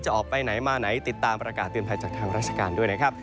ออกไปไหนมาไหนติดตามประกาศเตือนภัยจากทางราชการด้วยนะครับ